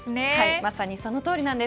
まさにそのとおりです。